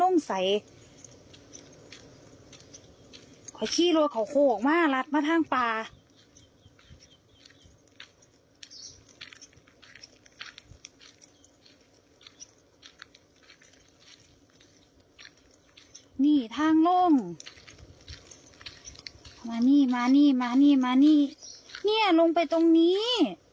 นี่ทางลมมานี่มานี่มานี่มานี่เนี่ยลงไปตรงนี้